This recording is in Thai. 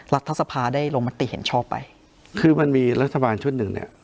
รัฐสภาได้ลงมติเห็นชอบไปคือมันมีรัฐบาลชุดหนึ่งเนี่ย